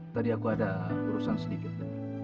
tadi aku ada urusan sedikit